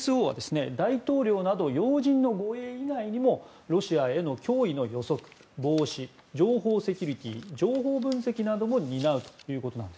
このＦＳＯは大統領など要人の護衛以外にもロシアへの脅威の予測防止、情報セキュリティー情報分析なども担うと。